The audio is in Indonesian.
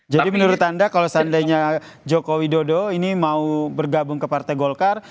jadi menurut anda kalau seandainya jokowi dodo ini mau bergabung ke partai golkar